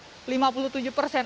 jawa timur lima puluh tujuh persen